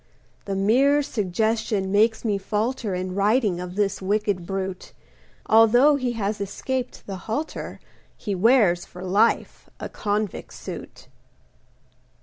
The mere suggestion makes me falter In writing of this wicked brute; Although he has escaped the halter, He wears for life a convict's suit.